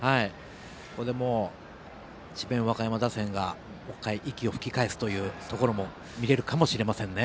これで智弁和歌山打線が息を吹き返すというところも見れるかもしれませんね。